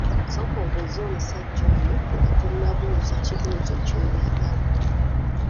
Sooka obuuze omusajja oyo nga tonnamubuuza kibuuzo kyoyagala.